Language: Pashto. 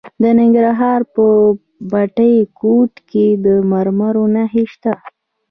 د ننګرهار په بټي کوټ کې د مرمرو نښې شته.